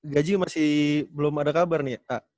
gaji masih belum ada kabar nih